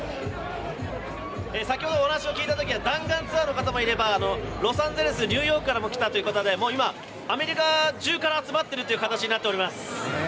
先ほどお話を聞いたときには弾丸ツアーの人もいればロサンゼルス、ニューヨークからも来たという方もいて、今、アメリカ中から集まっている形になってます。